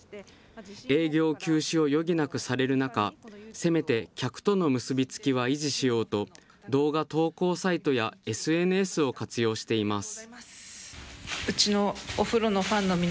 営業休止を余儀なくされる中、せめて客との結び付きは維持しようと、動画投稿サイトやＳＮＳを活用しています。